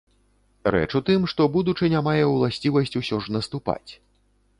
Рэч у тым, што будучыня мае ўласцівасць усё ж наступаць.